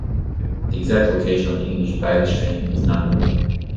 The exact location of the English baggage train is not known.